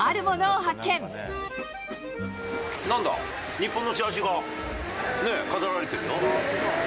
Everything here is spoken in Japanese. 日本のジャージーがね、飾られてる。